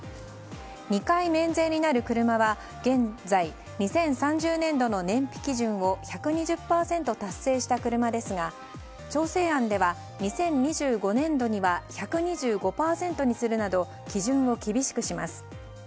２回免税になる車は現在２０３０年度の燃費基準を１２０％達成した車ですが調整案では、２０２５年度には１２５％にするなど基準を厳しくします。